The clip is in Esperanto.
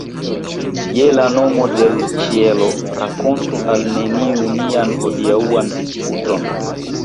Je la nomo de l' ĉielo, rakontu al neniu nian hodiaŭan disputon!